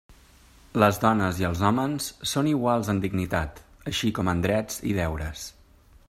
Les dones i els hòmens són iguals en dignitat, així com en drets i deures.